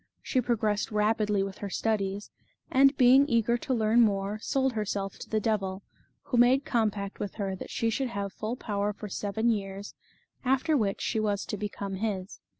She progressed rapidly with her studies, and being eager to learn more, sold herself to the devil, who made compact with her that she should have full power for seven years, after which she was to become his.